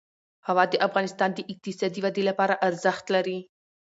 هوا د افغانستان د اقتصادي ودې لپاره ارزښت لري.